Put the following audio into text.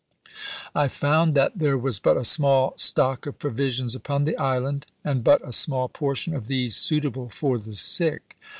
I found that there was but a small stock of provisions upon the island, and but a small portion of these suitable for the sick."